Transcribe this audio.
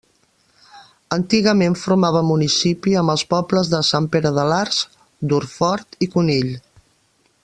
Antigament formava municipi amb els pobles de Sant Pere de l'Arç, Durfort i Conill.